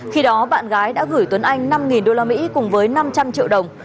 khi đó bạn gái đã gửi tuấn anh năm đô la mỹ cùng với năm trăm linh triệu đồng